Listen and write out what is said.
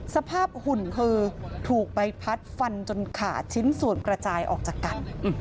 หุ่นคือถูกใบพัดฟันจนขาดชิ้นส่วนกระจายออกจากกัน